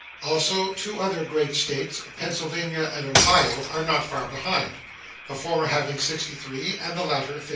Also two other great States, Pennsylvania and Ohio, are not far below, the former having 63 and the latter 59.